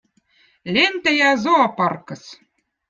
lentäjä zooparkkõz